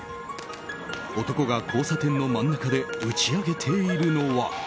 男が交差点の真ん中で打ち上げているのは。